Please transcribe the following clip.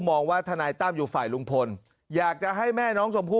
มองว่าทนายตั้มอยู่ฝ่ายลุงพลอยากจะให้แม่น้องชมพู่